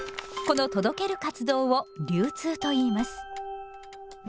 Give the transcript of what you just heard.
この届ける活動を流通といいます。